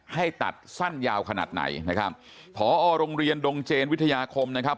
ให้ตัดสั้นยาวขนาดไหนนะครับผอโรงเรียนดงเจนวิทยาคมนะครับ